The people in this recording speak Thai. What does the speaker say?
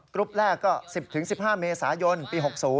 กรุ๊ปแรกก็๑๐๑๕เมษายนปี๖๐